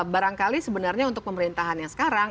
barangkali sebenarnya untuk pemerintahan yang sekarang